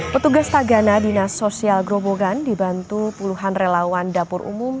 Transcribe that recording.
petugas tagana dinas sosial grobogan dibantu puluhan relawan dapur umum